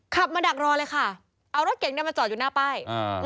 ขับมาดักรอเลยค่ะเอารถเก่งเนี่ยมาจอดอยู่หน้าป้ายอ่า